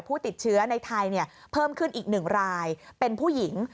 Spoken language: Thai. ผู้ติดเชื้อในไทยเพิ่มขึ้นอีก๑รายเป็นผู้หญิง